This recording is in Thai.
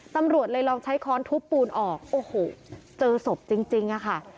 ตำรวจเลยลองใช้ค้อนทุบปูนออกโอ้โหเจอศพจริงอะค่ะ